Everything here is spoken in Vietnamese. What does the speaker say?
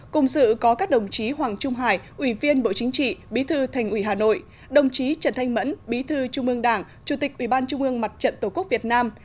cùng sự có các đồng chí hoàng trung hải ủy viên bộ chính trị bí thư thành ủy hà nội đồng chí trần thanh mẫn bí thư trung ương đảng chủ tịch ủy ban trung ương mặt trận tổ quốc việt nam